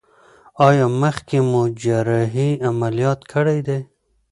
ایا مخکې مو جراحي عملیات کړی دی؟